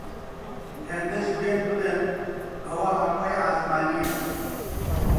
هێندەش بێن، بلین: ئەوە هەموەی عاسمانیە